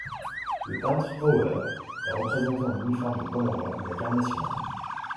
Le peintre Hauer, est représenté en uniforme de commandant de la garde nationale.